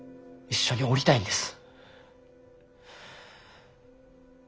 一緒におりたいんです。